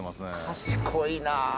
賢いなあ。